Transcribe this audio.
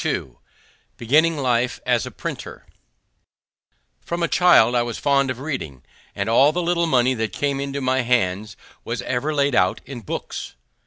II BEGINNING LIFE AS A PRINTER From a child I was fond of reading, and all the little money that came into my hands was ever laid out in books.